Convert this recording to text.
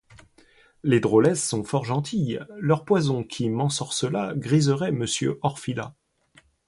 Les drôlesses sont fort gentilles ;Leur poison qui m’ensorcelaGriserait monsieur Orfila.